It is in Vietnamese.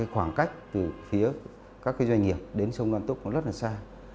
khoảng cách từ phía các doanh nghiệp đến sông lan túc nó rất là xa